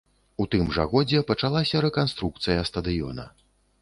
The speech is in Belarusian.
У тым жа годзе пачалася рэканструкцыя стадыёна.